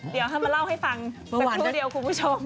เดี๋ยวให้มาเล่าให้ฟังสักครู่เดียวคุณผู้ชม